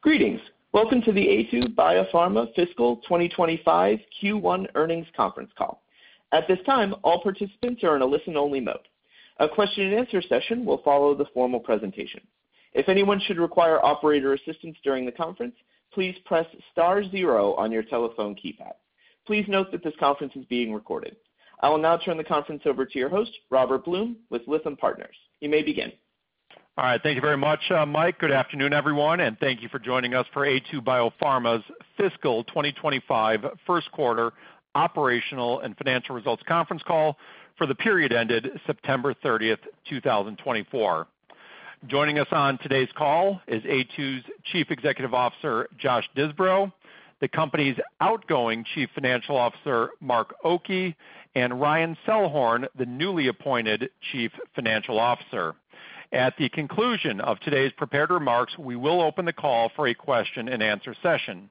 Greetings. Welcome to the Aytu BioPharma Fiscal Year 2025 Q1 Earnings Conference Call. At this time, all participants are in a listen-only mode. A question-and-answer session will follow the formal presentation. If anyone should require operator assistance during the conference, please press star zero on your telephone keypad. Please note that this conference is being recorded. I will now turn the conference over to your host, Robert Blum, with Lytham Partners. You may begin. All right. Thank you very much, Mike. Good afternoon, everyone, and thank you for joining us for Aytu BioPharma's Fiscal Year 2025 First Quarter Operational and Financial Results Conference Call for the period ended September 30th, 2024. Joining us on today's call is Aytu BioPharma's Chief Executive Officer, Josh Disbrow, the company's outgoing Chief Financial Officer, Mark Oki, and Ryan Selhorn, the newly appointed Chief Financial Officer. At the conclusion of today's prepared remarks, we will open the call for a question-and-answer session.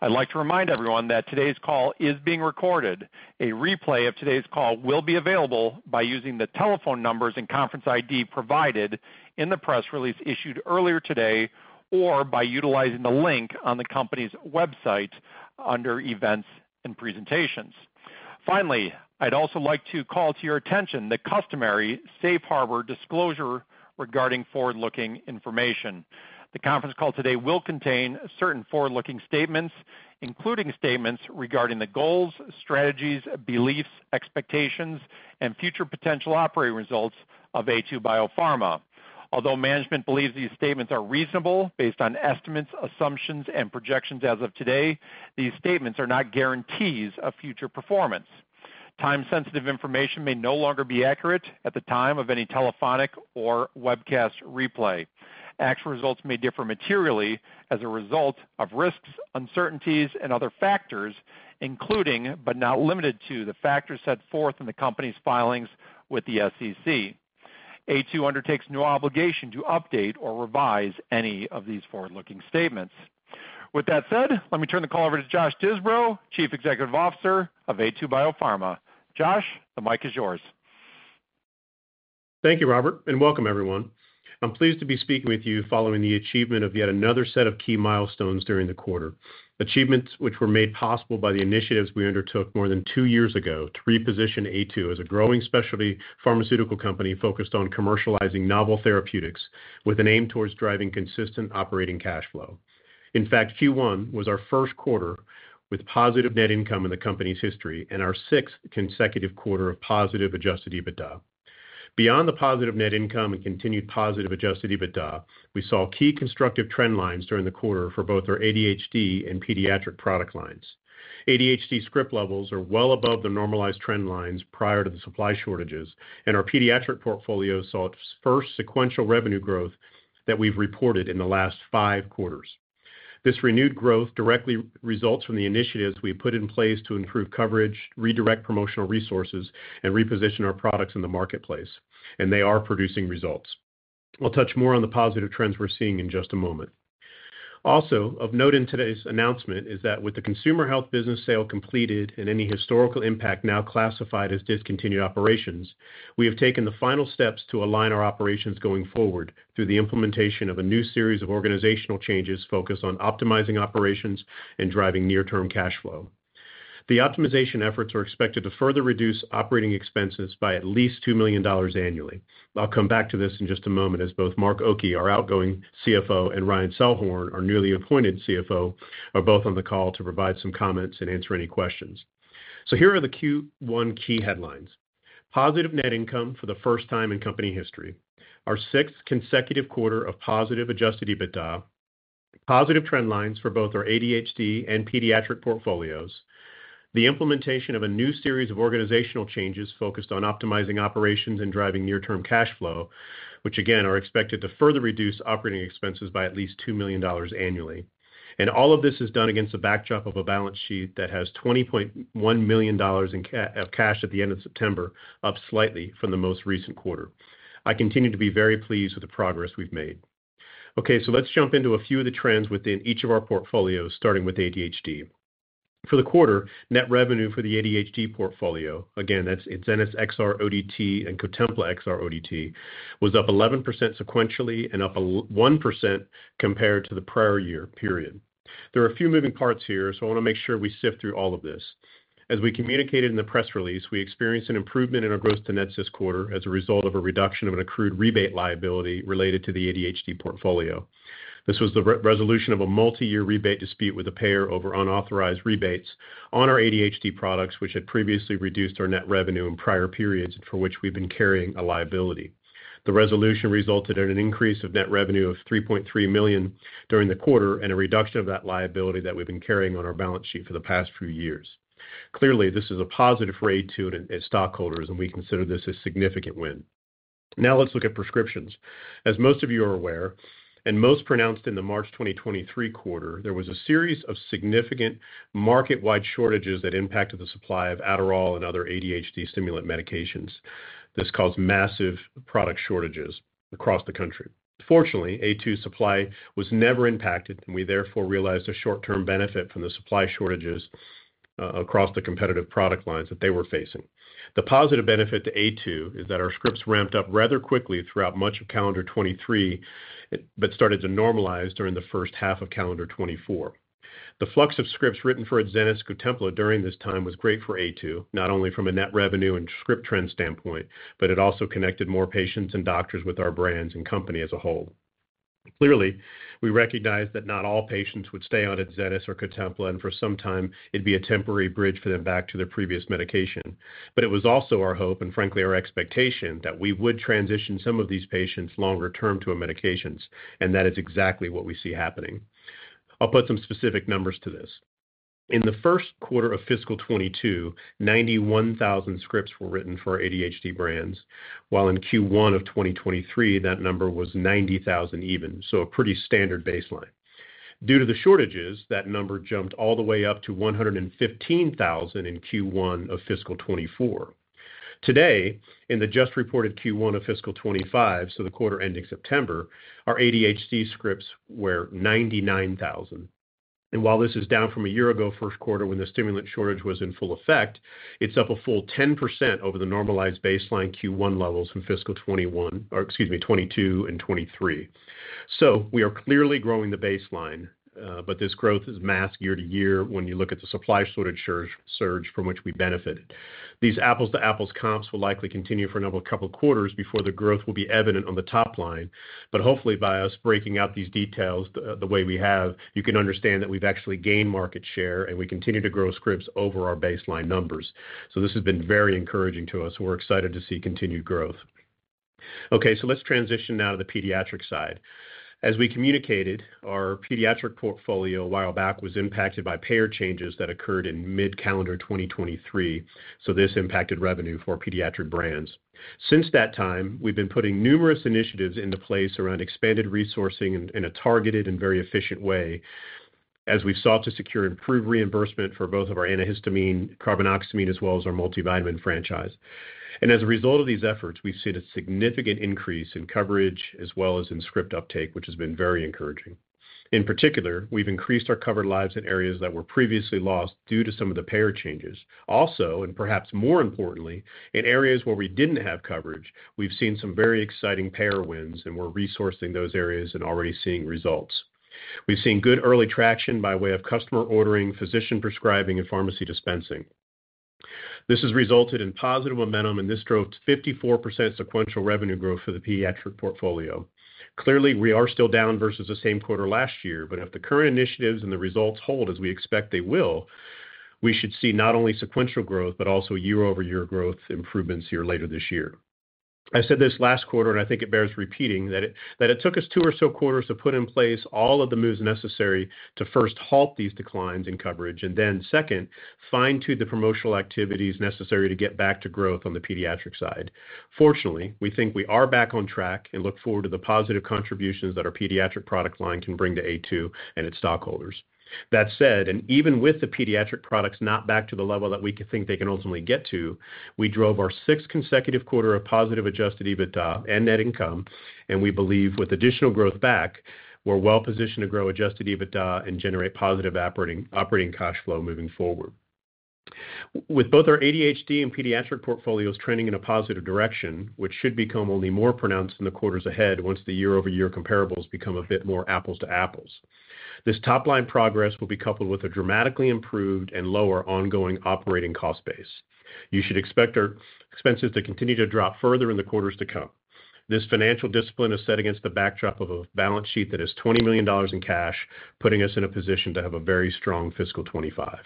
I'd like to remind everyone that today's call is being recorded. A replay of today's call will be available by using the telephone numbers and conference ID provided in the press release issued earlier today or by utilizing the link on the company's website under Events and Presentations. Finally, I'd also like to call to your attention the customary safe harbor disclosure regarding forward-looking information. The conference call today will contain certain forward-looking statements, including statements regarding the goals, strategies, beliefs, expectations, and future potential operating results of Aytu BioPharma. Although management believes these statements are reasonable based on estimates, assumptions, and projections as of today, these statements are not guarantees of future performance. Time-sensitive information may no longer be accurate at the time of any telephonic or webcast replay. Actual results may differ materially as a result of risks, uncertainties, and other factors, including but not limited to the factors set forth in the company's filings with the SEC. Aytu BioPharma undertakes no obligation to update or revise any of these forward-looking statements. With that said, let me turn the call over to Josh Disbrow, Chief Executive Officer of Aytu BioPharma. Josh, the mic is yours. Thank you, Robert, and welcome, everyone. I'm pleased to be speaking with you following the achievement of yet another set of key milestones during the quarter, achievements which were made possible by the initiatives we undertook more than two years ago to reposition Aytu BioPharma as a growing specialty pharmaceutical company focused on commercializing novel therapeutics with an aim towards driving consistent operating cash flow. In fact, Q1 was our first quarter with positive net income in the company's history and our sixth consecutive quarter of positive adjusted EBITDA. Beyond the positive net income and continued positive adjusted EBITDA, we saw key constructive trend lines during the quarter for both our ADHD and pediatric product lines. ADHD script levels are well above the normalized trend lines prior to the supply shortages, and our pediatric portfolio saw its first sequential revenue growth that we've reported in the last five quarters. This renewed growth directly results from the initiatives we've put in place to improve coverage, redirect promotional resources, and reposition our products in the marketplace, and they are producing results. I'll touch more on the positive trends we're seeing in just a moment. Also, of note in today's announcement is that with the consumer health business sale completed and any historical impact now classified as discontinued operations, we have taken the final steps to align our operations going forward through the implementation of a new series of organizational changes focused on optimizing operations and driving near-term cash flow. The optimization efforts are expected to further reduce operating expenses by at least $2,000,000 annually. I'll come back to this in just a moment as both Mark Oki, our outgoing CFO, and Ryan Selhorn, our newly appointed CFO, are both on the call to provide some comments and answer any questions. So here are the Q1 key headlines: positive net income for the first time in company history, our sixth consecutive quarter of positive adjusted EBITDA, positive trend lines for both our ADHD and pediatric portfolios, the implementation of a new series of organizational changes focused on optimizing operations and driving near-term cash flow, which again are expected to further reduce operating expenses by at least $2,000,000 annually. And all of this is done against the backdrop of a balance sheet that has $20,100,000 of cash at the end of September, up slightly from the most recent quarter. I continue to be very pleased with the progress we've made. Okay, so let's jump into a few of the trends within each of our portfolios, starting with ADHD. For the quarter, net revenue for the ADHD portfolio, again, that's Adzenys XR-ODT and Cotempla XR-ODT, was up 11% sequentially and up 1% compared to the prior year period. There are a few moving parts here, so I want to make sure we sift through all of this. As we communicated in the press release, we experienced an improvement in our Gross to Net this quarter as a result of a reduction of an accrued rebate liability related to the ADHD portfolio. This was the resolution of a multi-year rebate dispute with a payer over unauthorized rebates on our ADHD products, which had previously reduced our Net Revenue in prior periods for which we've been carrying a liability. The resolution resulted in an increase of net revenue of $3,300,000 during the quarter and a reduction of that liability that we've been carrying on our balance sheet for the past few years. Clearly, this is a positive for Aytu BioPharma and its stockholders, and we consider this a significant win. Now let's look at prescriptions. As most of you are aware, and most pronounced in the March 2023 quarter, there was a series of significant market-wide shortages that impacted the supply of Adderall and other ADHD stimulant medications. This caused massive product shortages across the country. Fortunately, Aytu BioPharma's supply was never impacted, and we therefore realized a short-term benefit from the supply shortages across the competitive product lines that they were facing. The positive benefit to Aytu is that our scripts ramped up rather quickly throughout much of calendar 2023 but started to normalize during the first half of calendar 2024. The flux of scripts written for Adzenys Cotempla during this time was great for Aytu, not only from a net revenue and script trend standpoint, but it also connected more patients and doctors with our brands and company as a whole. Clearly, we recognized that not all patients would stay on Adzenys or Cotempla, and for some time, it'd be a temporary bridge for them back to their previous medication. But it was also our hope and, frankly, our expectation that we would transition some of these patients longer term to our medications, and that is exactly what we see happening. I'll put some specific numbers to this. In the first quarter of fiscal year 2022, 91,000 scripts were written for ADHD brands, while in Q1 of 2023, that number was 90,000 even, so a pretty standard baseline. Due to the shortages, that number jumped all the way up to 115,000 in Q1 of fiscal year 2024. Today, in the just reported Q1 of fiscal year 2025, so the quarter ending September, our ADHD scripts were 99,000, and while this is down from a year ago, first quarter, when the stimulant shortage was in full effect, it's up a full 10% over the normalized baseline Q1 levels from fiscal year 2021, or excuse me, 2022 and 2023, so we are clearly growing the baseline, but this growth is masked year to year when you look at the supply shortage surge from which we benefited. These apples-to-apples comps will likely continue for another couple of quarters before the growth will be evident on the top line, but hopefully, by us breaking out these details the way we have, you can understand that we've actually gained market share and we continue to grow scripts over our baseline numbers, so this has been very encouraging to us. We're excited to see continued growth. Okay, so let's transition now to the pediatric side. As we communicated, our pediatric portfolio a while back was impacted by payer changes that occurred in mid-calendar 2023, so this impacted revenue for pediatric brands. Since that time, we've been putting numerous initiatives into place around expanded resourcing in a targeted and very efficient way, as we've sought to secure improved reimbursement for both of our antihistamine, carbinoxamine, as well as our multivitamin franchise. And as a result of these efforts, we've seen a significant increase in coverage as well as in script uptake, which has been very encouraging. In particular, we've increased our covered lives in areas that were previously lost due to some of the payer changes. Also, and perhaps more importantly, in areas where we didn't have coverage, we've seen some very exciting payer wins and we're resourcing those areas and already seeing results. We've seen good early traction by way of customer ordering, physician prescribing, and pharmacy dispensing. This has resulted in positive momentum, and this drove 54% sequential revenue growth for the pediatric portfolio. Clearly, we are still down versus the same quarter last year, but if the current initiatives and the results hold, as we expect they will, we should see not only sequential growth but also year-over-year growth improvements here later this year. I said this last quarter, and I think it bears repeating, that it took us two or so quarters to put in place all of the moves necessary to first halt these declines in coverage and then, second, fine-tune the promotional activities necessary to get back to growth on the pediatric side. Fortunately, we think we are back on track and look forward to the positive contributions that our pediatric product line can bring to Aytu BioPharma and its stockholders. That said, and even with the pediatric products not back to the level that we think they can ultimately get to, we drove our sixth consecutive quarter of positive adjusted EBITDA and net income, and we believe with additional growth back, we're well-positioned to grow adjusted EBITDA and generate positive operating cash flow moving forward. With both our ADHD and pediatric portfolios trending in a positive direction, which should become only more pronounced in the quarters ahead once the year-over-year comparables become a bit more apples-to-apples. This top-line progress will be coupled with a dramatically improved and lower ongoing operating cost base. You should expect our expenses to continue to drop further in the quarters to come. This financial discipline is set against the backdrop of a balance sheet that is $20,000,000 in cash, putting us in a position to have a very strong fiscal year 2025.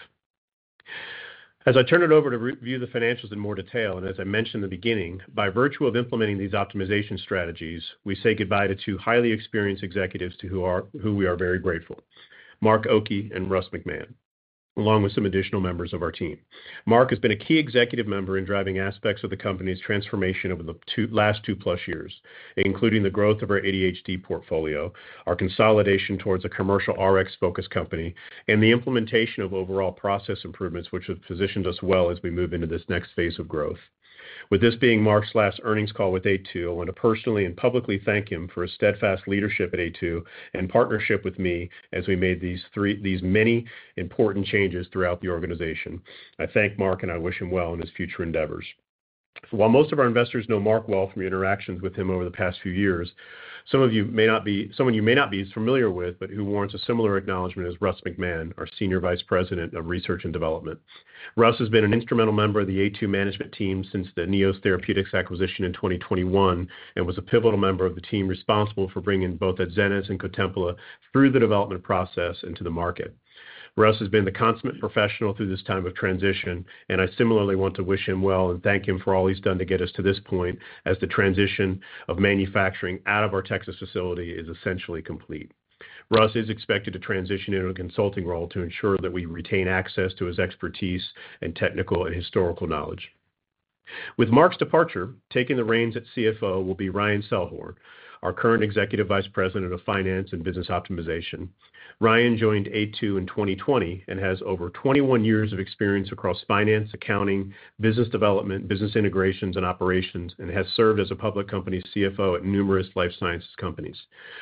As I turn it over to review the financials in more detail, and as I mentioned in the beginning, by virtue of implementing these optimization strategies, we say goodbye to two highly experienced executives to who we are very grateful, Mark Oki and Russ McMahen, along with some additional members of our team. Mark has been a key executive member in driving aspects of the company's transformation over the last two-plus years, including the growth of our ADHD portfolio, our consolidation towards a commercial RX-focused company, and the implementation of overall process improvements, which have positioned us well as we move into this next phase of growth. With this being Mark's last earnings call with Aytu BioPharma, I want to personally and publicly thank him for his steadfast leadership at Aytu BioPharma and partnership with me as we made these many important changes throughout the organization. I thank Mark, and I wish him well in his future endeavors. While most of our investors know Mark well from interactions with him over the past few years, some of you may not be as familiar with, but who warrants a similar acknowledgment is Russ McMahen, our Senior Vice President of Research and Development. Russ has been an instrumental member of the Aytu management team since the Neos Therapeutics acquisition in 2021 and was a pivotal member of the team responsible for bringing both Adzenys XR-ODT and Cotempla through the development process into the market. Russ has been the consummate professional through this time of transition, and I similarly want to wish him well and thank him for all he's done to get us to this point as the transition of manufacturing out of our Texas facility is essentially complete. Russ is expected to transition into a consulting role to ensure that we retain access to his expertise and technical and historical knowledge. With Mark's departure, taking the reins at CFO will be Ryan Selhorn, our current Executive Vice President of Finance and Business Optimization. Ryan joined Aytu in 2020 and has over 21 years of experience across finance, accounting, business development, business integrations, and operations, and has served as a public company CFO at numerous life sciences companies.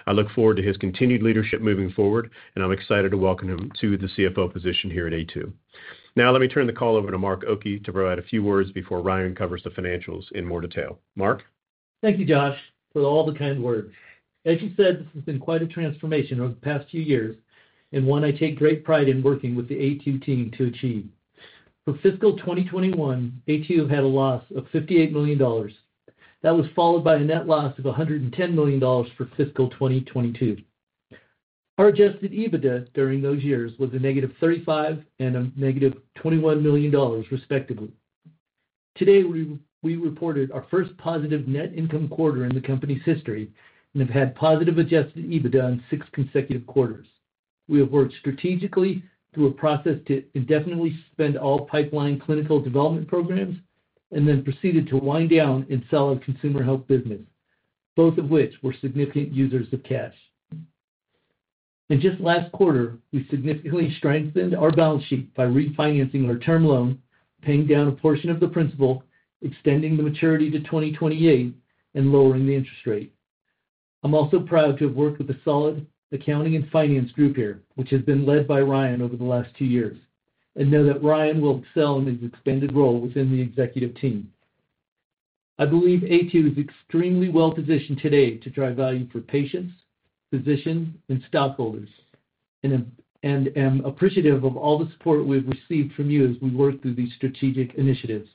I look forward to his continued leadership moving forward, and I'm excited to welcome him to the CFO position here at Aytu. Now, let me turn the call over to Mark Oki to provide a few words before Ryan covers the financials in more detail. Mark? Thank you, Josh, for all the kind words. As you said, this has been quite a transformation over the past few years, and one I take great pride in working with the Aytu BioPharma team to achieve. For fiscal year 2021, Aytu BioPharma had a loss of $58,000,000. That was followed by a net loss of $110,000,000 for fiscal year 2022. Our adjusted EBITDA during those years was a negative $35,000,000 and a negative $21,000,000, respectively. Today, we reported our first positive net income quarter in the company's history and have had positive adjusted EBITDA in six consecutive quarters. We have worked strategically through a process to indefinitely suspend all pipeline clinical development programs and then proceeded to wind down and sell our consumer health business, both of which were significant users of cash. In just last quarter, we significantly strengthened our balance sheet by refinancing our term loan, paying down a portion of the principal, extending the maturity to 2028, and lowering the interest rate. I'm also proud to have worked with a solid accounting and finance group here, which has been led by Ryan over the last two years, and know that Ryan will excel in his expanded role within the executive team. I believe Aytu BioPharma is extremely well-positioned today to drive value for patients, physicians, and stockholders, and am appreciative of all the support we've received from you as we work through these strategic initiatives.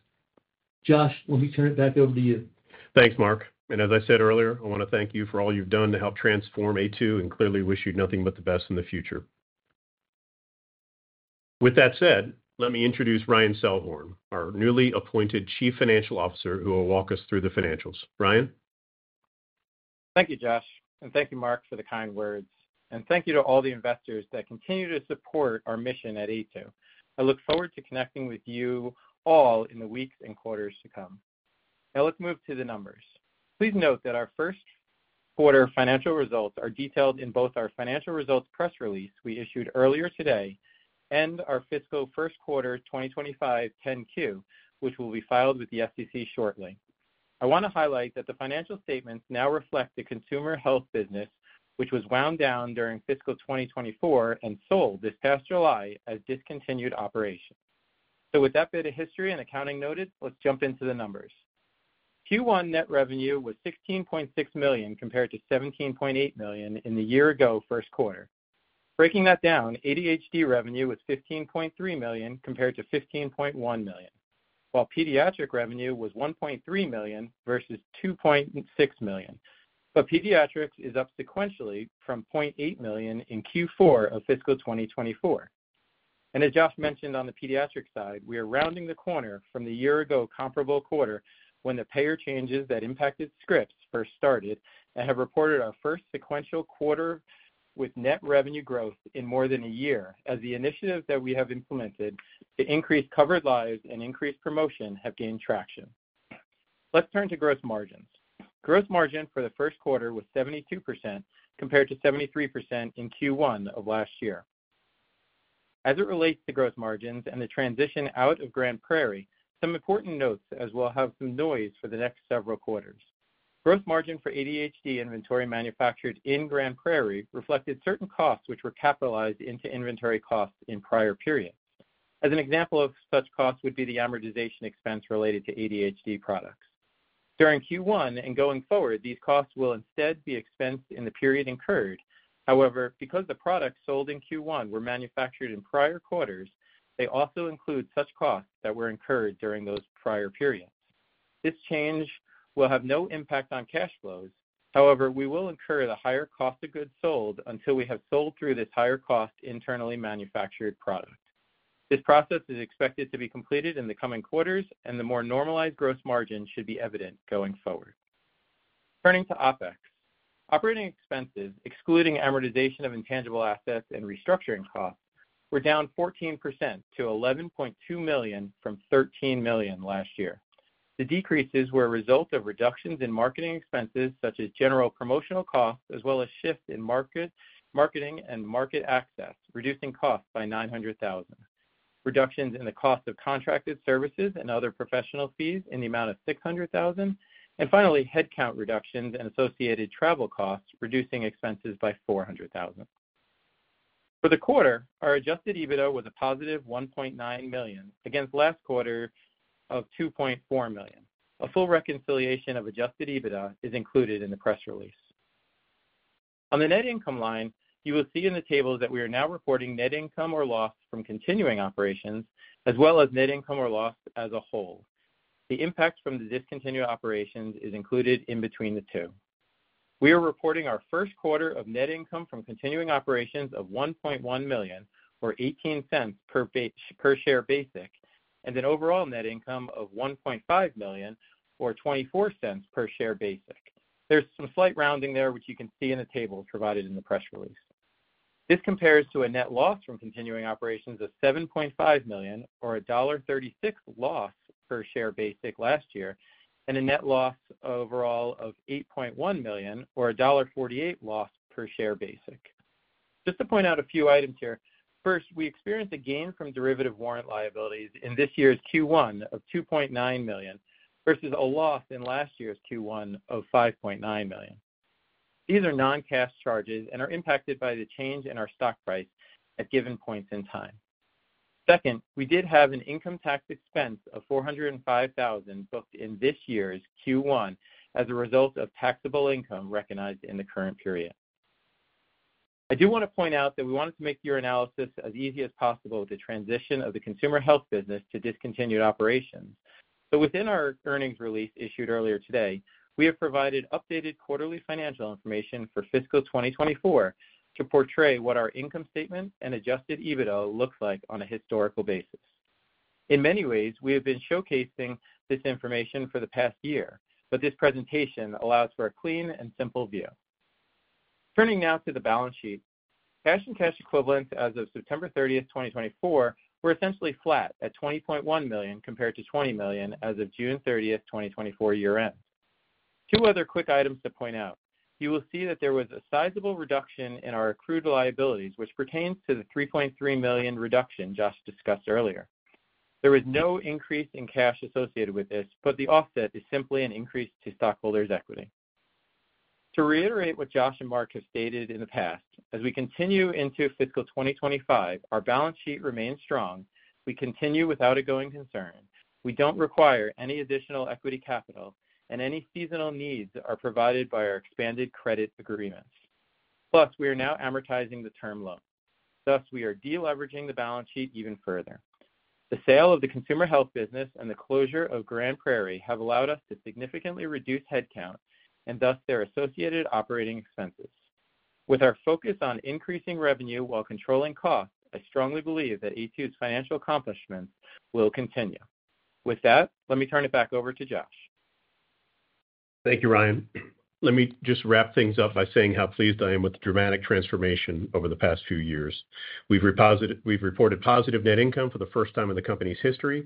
Josh, let me turn it back over to you. Thanks, Mark. And as I said earlier, I want to thank you for all you've done to help transform Aytu BioPharma and clearly wish you nothing but the best in the future. With that said, let me introduce Ryan Selhorn, our newly appointed Chief Financial Officer, who will walk us through the financials. Ryan? Thank you, Josh, and thank you, Mark, for the kind words. And thank you to all the investors that continue to support our mission at Aytu BioPharma. I look forward to connecting with you all in the weeks and quarters to come. Now, let's move to the numbers. Please note that our first quarter financial results are detailed in both our financial results press release we issued earlier today and our fiscal year first quarter 2025 10-Q, which will be filed with the SEC shortly. I want to highlight that the financial statements now reflect the consumer health business, which was wound down during fiscal year 2024 and sold this past July as discontinued operation. So with that bit of history and accounting noted, let's jump into the numbers. Q1 net revenue was $16,600,000 compared to $17,800,000 in the year-ago first quarter. Breaking that down, ADHD revenue was $15,300,000 compared to $15,100,000, while pediatric revenue was $1,300,000 versus $2,600,000. But pediatrics is up sequentially from $800,000 in Q4 of fiscal year 2024. And as Josh mentioned on the pediatric side, we are rounding the corner from the year-ago comparable quarter when the payer changes that impacted scripts first started and have reported our first sequential quarter with net revenue growth in more than a year, as the initiatives that we have implemented to increase covered lives and increase promotion have gained traction. Let's turn to gross margins. Gross margin for the first quarter was 72% compared to 73% in Q1 of last year. As it relates to gross margins and the transition out of Grand Prairie, some important notes as well have some noise for the next several quarters. Gross margin for ADHD inventory manufactured in Grand Prairie reflected certain costs which were capitalized into inventory costs in prior periods. As an example of such costs would be the amortization expense related to ADHD products. During Q1 and going forward, these costs will instead be expensed in the period incurred. However, because the products sold in Q1 were manufactured in prior quarters, they also include such costs that were incurred during those prior periods. This change will have no impact on cash flows. However, we will incur the higher cost of goods sold until we have sold through this higher cost internally manufactured product. This process is expected to be completed in the coming quarters, and the more normalized gross margin should be evident going forward. Turning to OpEx, operating expenses, excluding amortization of intangible assets and restructuring costs, were down 14% to $11,200,000 from $13,000,000 last year. The decreases were a result of reductions in marketing expenses, such as general promotional costs, as well as shifts in marketing and market access, reducing costs by $900,000. Reductions in the cost of contracted services and other professional fees in the amount of $600,000. And finally, headcount reductions and associated travel costs, reducing expenses by $400,000. For the quarter, our adjusted EBITDA was a positive $1,900,000 against last quarter of $2,400,000. A full reconciliation of adjusted EBITDA is included in the press release. On the net income line, you will see in the tables that we are now reporting net income or loss from continuing operations, as well as net income or loss as a whole. The impact from the discontinued operations is included in between the two. We are reporting our first quarter of net income from continuing operations of $1,100,000, or $0.18 per share basic, and an overall net income of $1,500,000, or $0.24 per share basic. There's some slight rounding there, which you can see in the tables provided in the press release. This compares to a net loss from continuing operations of $7,500,000, or a $1.36 loss per share basic last year, and a net loss overall of $8,100,000, or a $1.48 loss per share basic. Just to point out a few items here. First, we experienced a gain from derivative warrant liabilities in this year's Q1 of $2,900,000 versus a loss in last year's Q1 of $5,900,000. These are non-cash charges and are impacted by the change in our stock price at given points in time. Second, we did have an income tax expense of $405,000 booked in this year's Q1 as a result of taxable income recognized in the current period. I do want to point out that we wanted to make your analysis as easy as possible with the transition of the consumer health business to discontinued operations. So within our earnings release issued earlier today, we have provided updated quarterly financial information for fiscal year 2024 to portray what our income statement and adjusted EBITDA looks like on a historical basis. In many ways, we have been showcasing this information for the past year, but this presentation allows for a clean and simple view. Turning now to the balance sheet, cash and cash equivalents as of September 30, 2024, were essentially flat at $20,100,000 compared to $20,000,000 as of June 30, 2024 year-end. Two other quick items to point out. You will see that there was a sizable reduction in our accrued liabilities, which pertains to the $3,300,000 reduction Josh discussed earlier. There was no increase in cash associated with this, but the offset is simply an increase to stockholders' equity. To reiterate what Josh and Mark have stated in the past, as we continue into fiscal year 2025, our balance sheet remains strong. We continue without a going concern. We don't require any additional equity capital, and any seasonal needs are provided by our expanded credit agreements. Plus, we are now amortizing the term loan. Thus, we are deleveraging the balance sheet even further. The sale of the consumer health business and the closure of Grand Prairie have allowed us to significantly reduce headcount and thus their associated operating expenses. With our focus on increasing revenue while controlling costs, I strongly believe that Aytu BioPharma's financial accomplishments will continue. With that, let me turn it back over to Josh. Thank you, Ryan. Let me just wrap things up by saying how pleased I am with the dramatic transformation over the past few years. We've reported positive net income for the first time in the company's history.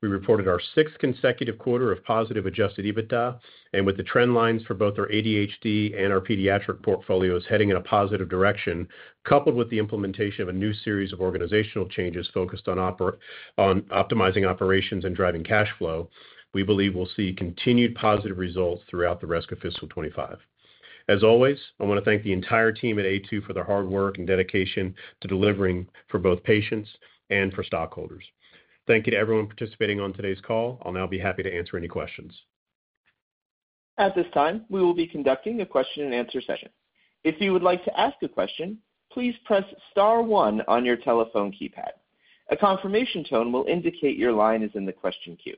We reported our sixth consecutive quarter of positive adjusted EBITDA, and with the trend lines for both our ADHD and our pediatric portfolios heading in a positive direction, coupled with the implementation of a new series of organizational changes focused on optimizing operations and driving cash flow, we believe we'll see continued positive results throughout the rest of fiscal year 2025. As always, I want to thank the entire team at Aytu for their hard work and dedication to delivering for both patients and for stockholders. Thank you to everyone participating on today's call. I'll now be happy to answer any questions. At this time, we will be conducting a question-and-answer session. If you would like to ask a question, please press Star 1 on your telephone keypad. A confirmation tone will indicate your line is in the question queue.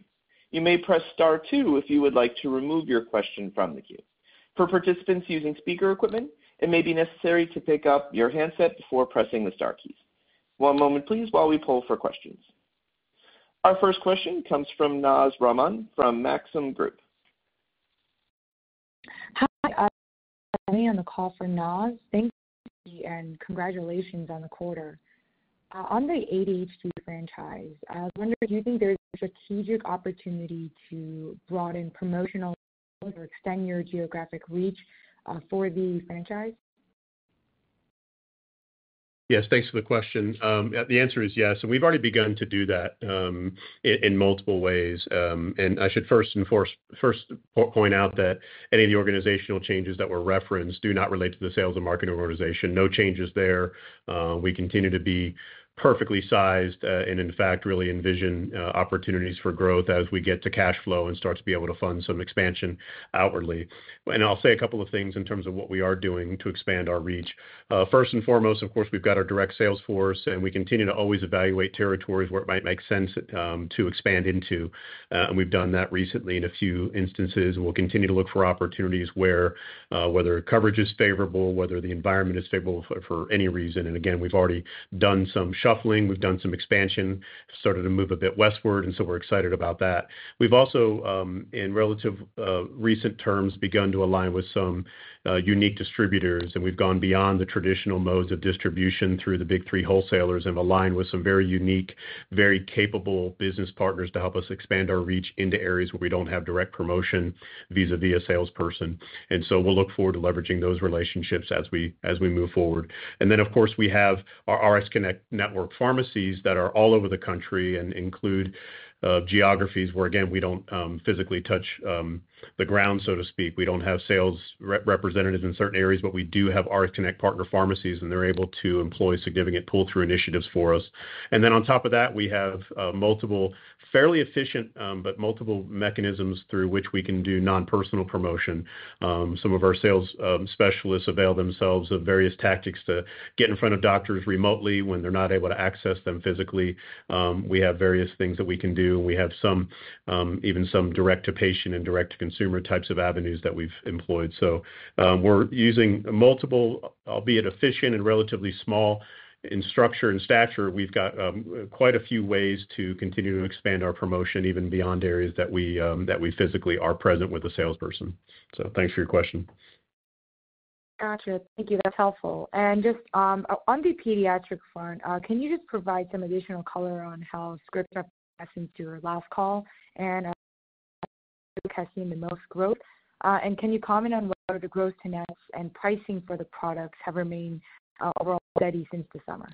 You may press Star 2 if you would like to remove your question from the queue. For participants using speaker equipment, it may be necessary to pick up your handset before pressing the Star keys. One moment, please, while we poll for questions. Our first question comes from Naz Rahman from Maxim Group. Hi, I'm Emily on the call for Naz. Thank you and congratulations on the quarter. On the ADHD franchise, I was wondering, do you think there's a strategic opportunity to broaden promotional or extend your geographic reach for the franchise? Yes, thanks for the question. The answer is yes. And we've already begun to do that in multiple ways. And I should first point out that any of the organizational changes that were referenced do not relate to the sales and marketing organization. No changes there. We continue to be perfectly sized and, in fact, really envision opportunities for growth as we get to cash flow and start to be able to fund some expansion outwardly. I'll say a couple of things in terms of what we are doing to expand our reach. First and foremost, of course, we've got our direct sales force, and we continue to always evaluate territories where it might make sense to expand into. We've done that recently in a few instances. We'll continue to look for opportunities whether coverage is favorable, whether the environment is favorable for any reason. Again, we've already done some shuffling. We've done some expansion, started to move a bit westward, and so we're excited about that. We've also, in relatively recent terms, begun to align with some unique distributors, and we've gone beyond the traditional modes of distribution through the big three wholesalers and aligned with some very unique, very capable business partners to help us expand our reach into areas where we don't have direct promotion vis-à-vis a salesperson. And so we'll look forward to leveraging those relationships as we move forward. And then, of course, we have our Aytu RxConnect network pharmacies that are all over the country and include geographies where, again, we don't physically touch the ground, so to speak. We don't have sales representatives in certain areas, but we do have Aytu RxConnect partner pharmacies, and they're able to employ significant pull-through initiatives for us. And then on top of that, we have multiple fairly efficient, but multiple mechanisms through which we can do non-personal promotion. Some of our sales specialists avail themselves of various tactics to get in front of doctors remotely when they're not able to access them physically. We have various things that we can do. We have even some direct-to-patient and direct-to-consumer types of avenues that we've employed. So we're using multiple, albeit efficient and relatively small in structure and stature. We've got quite a few ways to continue to expand our promotion even beyond areas that we physically are present with a salesperson. So thanks for your question. Gotcha. Thank you. That's helpful. And just on the pediatric front, can you just provide some additional color on how scripts have trended since your last call and have seen the most growth? And can you comment on whether the gross-to-net and pricing for the products have remained overall steady since the summer?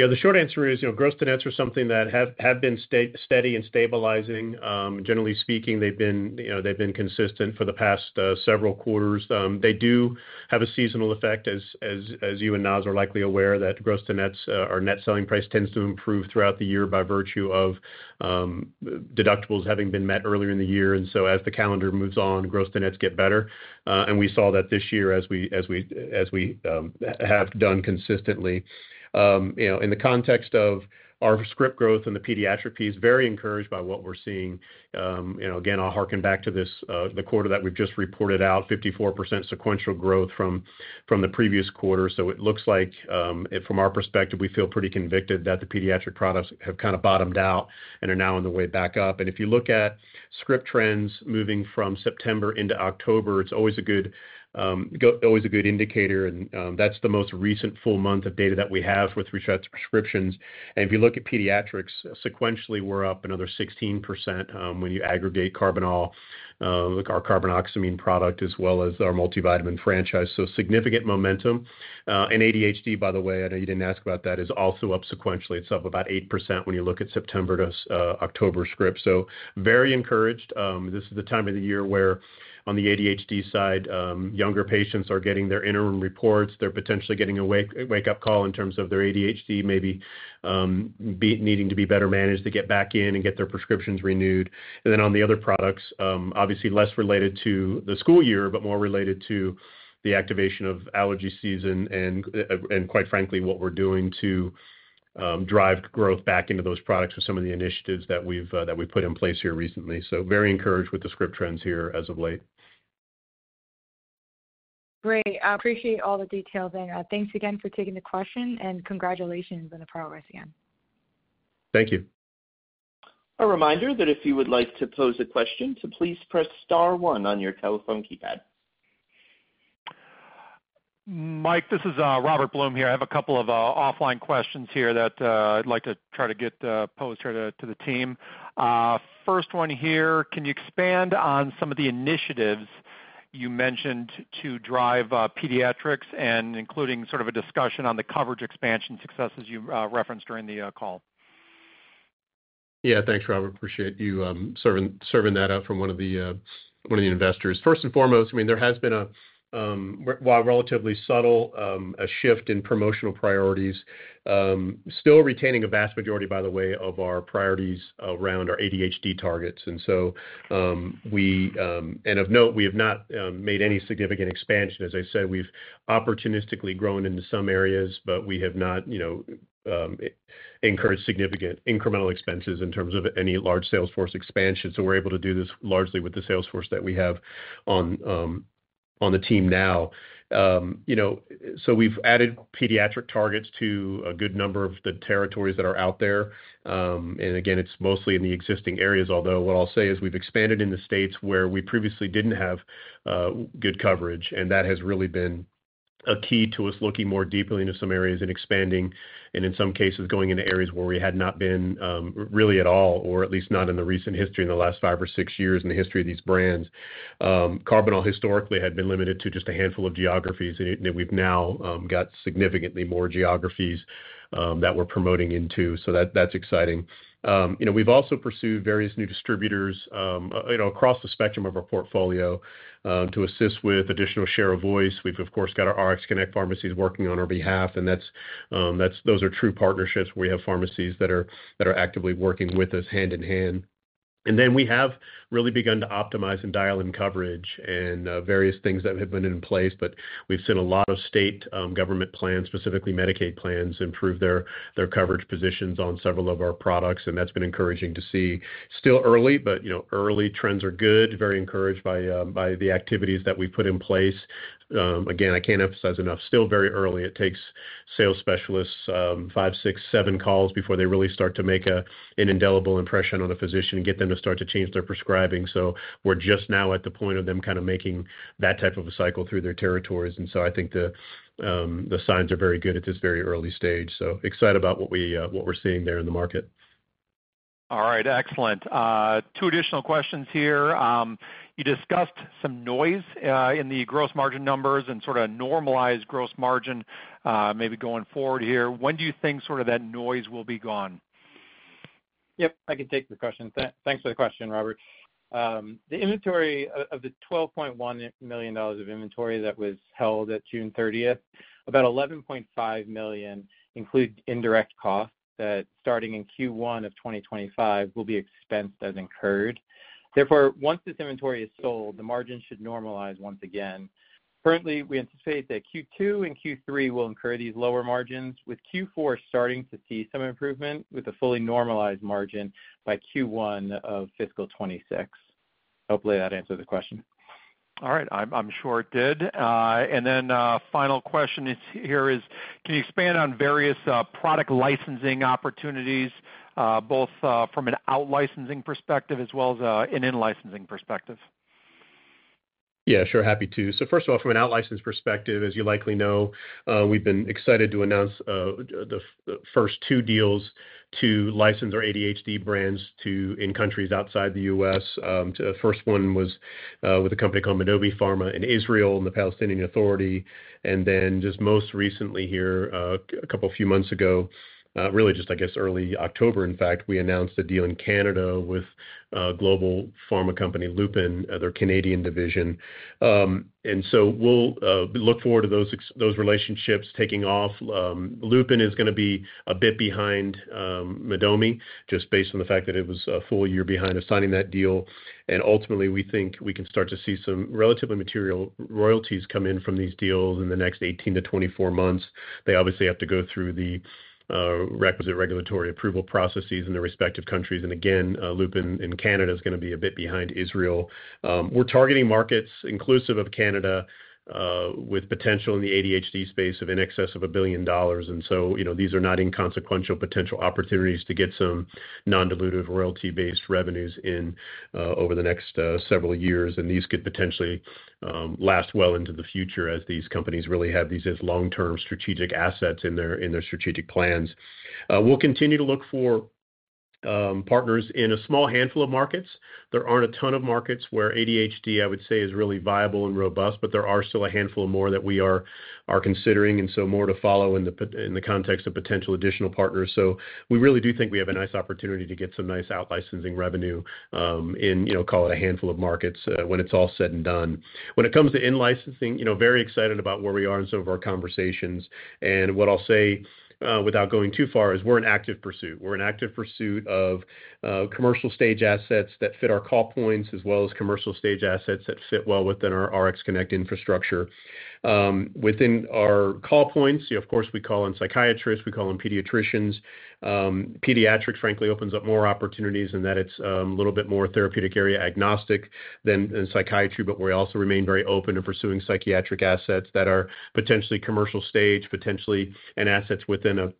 Yeah, the short answer is gross-to-net are something that have been steady and stabilizing. Generally speaking, they've been consistent for the past several quarters. They do have a seasonal effect, as you and Naz are likely aware, that gross-to-net, our net selling price, tends to improve throughout the year by virtue of deductibles having been met earlier in the year. And so as the calendar moves on, gross-to-net get better. And we saw that this year as we have done consistently. In the context of our scripts growth and the pediatric piece, very encouraged by what we're seeing. Again, I'll hearken back to the quarter that we've just reported out, 54% sequential growth from the previous quarter. It looks like, from our perspective, we feel pretty convicted that the pediatric products have kind of bottomed out and are now on the way back up. And if you look at script trends moving from September into October, it's always a good indicator. And that's the most recent full month of data that we have with respect to prescriptions. And if you look at pediatrics, sequentially, we're up another 16% when you aggregate Karbinal, our carbinoxamine product, as well as our multivitamin franchise. So significant momentum. And ADHD, by the way, I know you didn't ask about that, is also up sequentially. It's up about 8% when you look at September to October scripts. So very encouraged. This is the time of the year where, on the ADHD side, younger patients are getting their interim reports. They're potentially getting a wake-up call in terms of their ADHD, maybe needing to be better managed to get back in and get their prescriptions renewed. Then on the other products, obviously less related to the school year, but more related to the activation of allergy season and, quite frankly, what we're doing to drive growth back into those products with some of the initiatives that we've put in place here recently. Very encouraged with the script trends here as of late. Great. I appreciate all the details there. Thanks again for taking the question, and congratulations on the progress again. Thank you. A reminder that if you would like to pose a question, please press Star 1 on your telephone keypad. Mike, this is Robert Blum here. I have a couple of offline questions here that I'd like to try to get posed here to the team. First one here, can you expand on some of the initiatives you mentioned to drive pediatrics and including sort of a discussion on the coverage expansion successes you referenced during the call? Yeah, thanks, Robert. Appreciate you serving that up from one of the investors. First and foremost, I mean, there has been a, while relatively subtle, a shift in promotional priorities, still retaining a vast majority, by the way, of our priorities around our ADHD targets. And so, and of note, we have not made any significant expansion. As I said, we've opportunistically grown into some areas, but we have not incurred significant incremental expenses in terms of any large sales force expansion. So we're able to do this largely with the sales force that we have on the team now. So we've added pediatric targets to a good number of the territories that are out there. Again, it's mostly in the existing areas, although what I'll say is we've expanded in the states where we previously didn't have good coverage. And that has really been a key to us looking more deeply into some areas and expanding, and in some cases, going into areas where we had not been really at all, or at least not in the recent history in the last five or six years in the history of these brands. Karbinal historically had been limited to just a handful of geographies, and we've now got significantly more geographies that we're promoting into. So that's exciting. We've also pursued various new distributors across the spectrum of our portfolio to assist with additional share of voice. We've, of course, got our Rx Connect pharmacies working on our behalf. And those are true partnerships where we have pharmacies that are actively working with us hand in hand. And then we have really begun to optimize and dial in coverage and various things that have been in place. But we've seen a lot of state government plans, specifically Medicaid plans, improve their coverage positions on several of our products. And that's been encouraging to see. Still early, but early trends are good, very encouraged by the activities that we've put in place. Again, I can't emphasize enough, still very early. It takes sales specialists five, six, seven calls before they really start to make an indelible impression on a physician and get them to start to change their prescribing. So we're just now at the point of them kind of making that type of a cycle through their territories. And so I think the signs are very good at this very early stage. So excited about what we're seeing there in the market. All right. Excellent. Two additional questions here. You discussed some noise in the gross margin numbers and sort of normalized gross margin maybe going forward here. When do you think sort of that noise will be gone? Yep, I can take the question. Thanks for the question, Robert. The inventory of the $12,100,000 of inventory that was held at June 30th, about $11,500,000 include indirect costs that, starting in Q1 of 2025, will be expensed as incurred. Therefore, once this inventory is sold, the margin should normalize once again. Currently, we anticipate that Q2 and Q3 will incur these lower margins, with Q4 starting to see some improvement with a fully normalized margin by Q1 of fiscal year 2026. Hopefully, that answers the question. All right. I'm sure it did. And then the final question here is, can you expand on various product licensing opportunities, both from an out-licensing perspective as well as an in-licensing perspective? Yeah, sure. Happy to. So first of all, from an out-license perspective, as you likely know, we've been excited to announce the first two deals to license our ADHD brands in countries outside the U.S. The first one was with a company called Neopharm in Israel and the Palestinian Authority. And then just most recently here, a couple of few months ago, really just, I guess, early October, in fact, we announced a deal in Canada with global pharma company Lupin, their Canadian division. And so we'll look forward to those relationships taking off. Lupin is going to be a bit behind Nattome, just based on the fact that it was a full year behind us signing that deal. And ultimately, we think we can start to see some relatively material royalties come in from these deals in the next 18-24 months. They obviously have to go through the requisite regulatory approval processes in their respective countries. And again, Lupin in Canada is going to be a bit behind Israel. We're targeting markets inclusive of Canada with potential in the ADHD space of in excess of $1,000,000,000. And so these are not inconsequential potential opportunities to get some non-dilutive royalty-based revenues in over the next several years. And these could potentially last well into the future as these companies really have these as long-term strategic assets in their strategic plans. We'll continue to look for partners in a small handful of markets. There aren't a ton of markets where ADHD, I would say, is really viable and robust, but there are still a handful of more that we are considering, and so more to follow in the context of potential additional partners, so we really do think we have a nice opportunity to get some nice out-licensing revenue in, call it a handful of markets when it's all said and done. When it comes to in-licensing, very excited about where we are in some of our conversations, and what I'll say without going too far is we're an active pursuit. We're an active pursuit of commercial stage assets that fit our call points as well as commercial stage assets that fit well within our RxConnect infrastructure. Within our call points, of course, we call in psychiatrists. We call in pediatricians. Pediatrics, frankly, opens up more opportunities in that it's a little bit more therapeutic area agnostic than psychiatry. But we also remain very open to pursuing psychiatric assets that are potentially commercial stage, potentially an asset within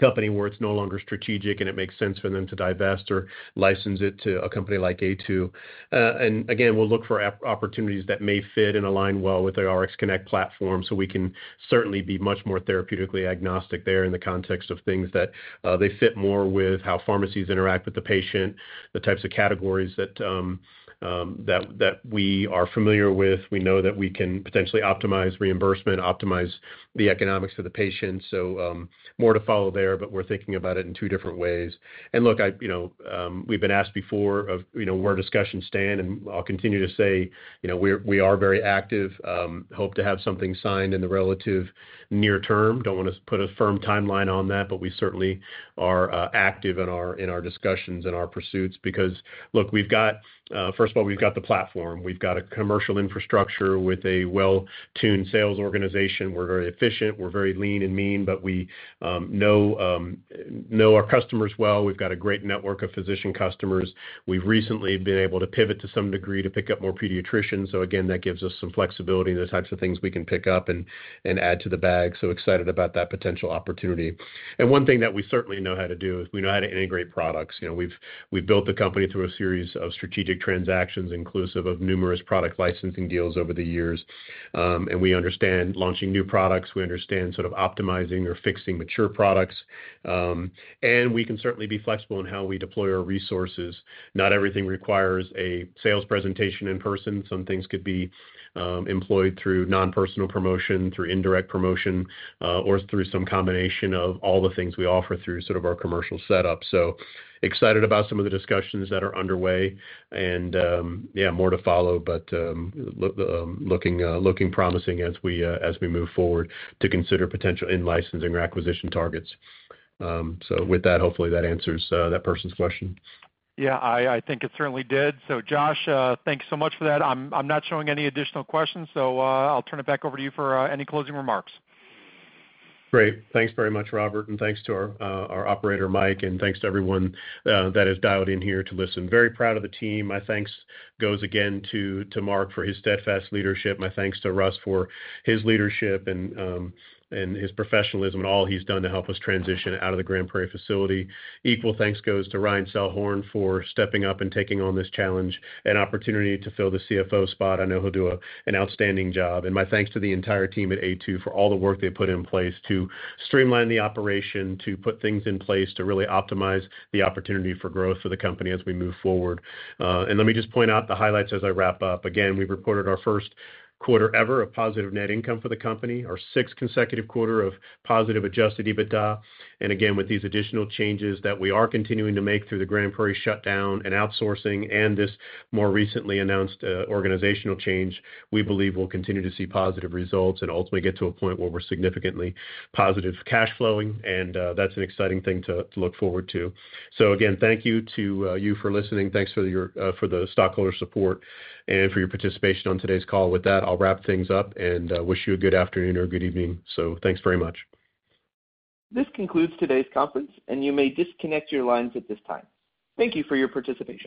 a company where it's no longer strategic and it makes sense for them to divest or license it to a company like Aytu BioPharma. And again, we'll look for opportunities that may fit and align well with the Aytu RxConnect platform so we can certainly be much more therapeutically agnostic there in the context of things that they fit more with how pharmacies interact with the patient, the types of categories that we are familiar with. We know that we can potentially optimize reimbursement, optimize the economics of the patient. So more to follow there, but we're thinking about it in two different ways. And look, we've been asked before of where discussions stand, and I'll continue to say we are very active. Hope to have something signed in the relative near term. Don't want to put a firm timeline on that, but we certainly are active in our discussions and our pursuits because, look, first of all, we've got the platform. We've got a commercial infrastructure with a well-tuned sales organization. We're very efficient. We're very lean and mean, but we know our customers well. We've got a great network of physician customers. We've recently been able to pivot to some degree to pick up more pediatricians. So again, that gives us some flexibility in the types of things we can pick up and add to the bag. So excited about that potential opportunity. And one thing that we certainly know how to do is we know how to integrate products. We've built the company through a series of strategic transactions inclusive of numerous product licensing deals over the years. And we understand launching new products. We understand sort of optimizing or fixing mature products. And we can certainly be flexible in how we deploy our resources. Not everything requires a sales presentation in person. Some things could be employed through non-personal promotion, through indirect promotion, or through some combination of all the things we offer through sort of our commercial setup. So excited about some of the discussions that are underway. And yeah, more to follow, but looking promising as we move forward to consider potential in-licensing or acquisition targets. So with that, hopefully, that answers that person's question. Yeah, I think it certainly did. So Josh, thanks so much for that. I'm not showing any additional questions, so I'll turn it back over to you for any closing remarks. Great. Thanks very much, Robert. And thanks to our operator, Mike, and thanks to everyone that has dialed in here to listen. Very proud of the team. My thanks goes again to Mark for his steadfast leadership. My thanks to Russ for his leadership and his professionalism and all he's done to help us transition out of the Grand Prairie facility. Equal thanks goes to Ryan Selhorn for stepping up and taking on this challenge and opportunity to fill the CFO spot. I know he'll do an outstanding job. And my thanks to the entire team at Aytu for all the work they put in place to streamline the operation, to put things in place to really optimize the opportunity for growth for the company as we move forward. And let me just point out the highlights as I wrap up. Again, we've reported our first quarter ever of positive Net Income for the company, our sixth consecutive quarter of positive adjusted EBITDA. And again, with these additional changes that we are continuing to make through the Grand Prairie shutdown and outsourcing and this more recently announced organizational change, we believe we'll continue to see positive results and ultimately get to a point where we're significantly positive cash flowing. And that's an exciting thing to look forward to. So again, thank you to you for listening. Thanks for the stockholder support and for your participation on today's call. With that, I'll wrap things up and wish you a good afternoon or a good evening. So thanks very much. This concludes today's conference, and you may disconnect your lines at this time. Thank you for your participation.